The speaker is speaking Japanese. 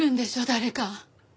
誰か。